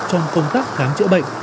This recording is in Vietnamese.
trong công tác khám chữa bệnh